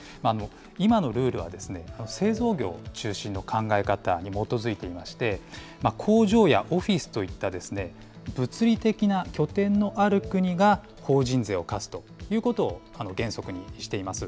今のルールはですね、製造業中心の考え方に基づいていまして、工場やオフィスといった物理的な拠点のある国が法人税を課すということを原則にしています。